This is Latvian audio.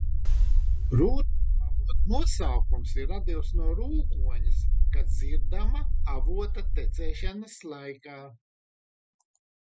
Rūcamavota nosaukums ir radies no rūkoņas, kas dzirdama avota tecēšanas laikā.